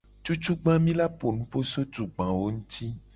Cucugba mi la po nupo so tugbawo nguti.